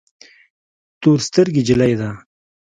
تور سترګي جلی ده